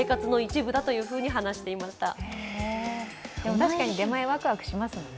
確かに出前、ワクワクしますもんね。